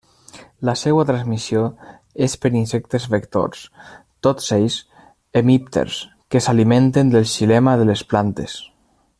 La seua transmissió és per insectes vectors, tots ells hemípters que s'alimenten del xilema de les plantes.